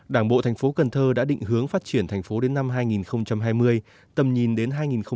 đảng bộ thành phố cần thơ đã định hướng phát triển thành phố đến năm hai nghìn hai mươi tầm nhìn đến hai nghìn ba mươi